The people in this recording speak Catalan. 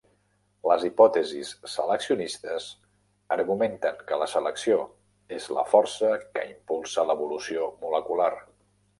Les hipòtesis seleccionistes argumenten que la selecció és la força que impulsa l'evolució molecular.